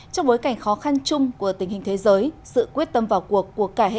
trong bối cảnh khó khăn chung của tình hình thế giới sự quyết tâm vào cuộc của cả hệ thống